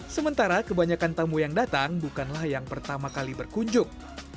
sementara kebanyakan tamu yang datang bukanlah yang pertama kali berkunjung